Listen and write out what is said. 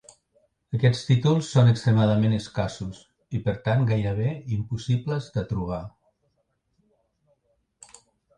Aquests títols són extremadament escassos i per tant gairebé impossibles de trobar.